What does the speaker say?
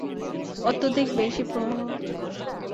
অত্যধিক বেশি প্রবাহ।